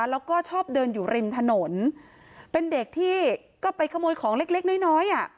แล้วก็ชอบเดินอยู่ริมถนนเป็นเด็กที่ก็ไปขโมยของเล็กเล็กน้อยน้อยอ่ะ